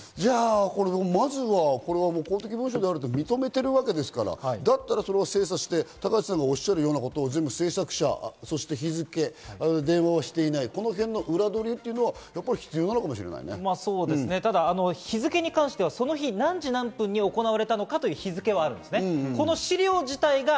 まずはこれは公的文書であると認めているわけですから、だったらそれを精査して、高市さんがおっしゃるようなことを制作者、日付、電話はしていない、このへんの裏取りを必要なのかもただ日付に関しては、その日、何時何分に行われたのかという日付はあるんですね。